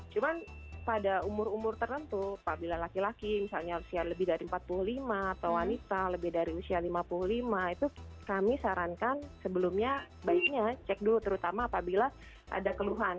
cuma pada umur umur tertentu apabila laki laki misalnya usia lebih dari empat puluh lima atau wanita lebih dari usia lima puluh lima itu kami sarankan sebelumnya baiknya cek dulu terutama apabila ada keluhan